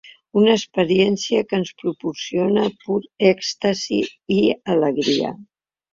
Una experiència que ens proporciona pur èxtasi i alegria.